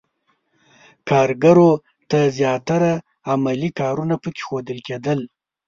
کارګرو ته زیاتره عملي کارونه پکې ښودل کېدل.